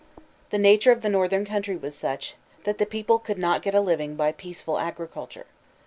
The nature of the northern country was such that the people could not get a living by peaceful agriculture.